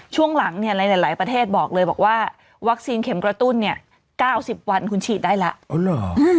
ช่วงหลังหลายประเทศบอกเลยว่าวัคซีนเข็มกระตุ้น๙๐วันคุณฉีดได้แล้ว